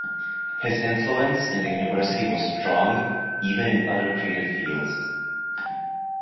His influence in the university was strong even in other creative fields.